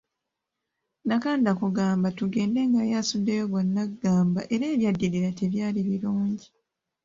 Nakanda kugamba tugende nga ye asuddeyo gwa nagamba era ebyaddirira tebyali birungi.